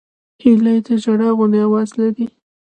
هیلۍ د ژړا غوندې آواز لري